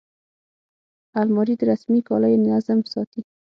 الماري د رسمي کالیو نظم ساتي